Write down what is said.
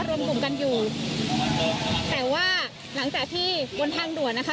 รวมกลุ่มกันอยู่แต่ว่าหลังจากที่บนทางด่วนนะคะ